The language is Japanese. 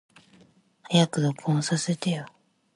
早く録音させてよ。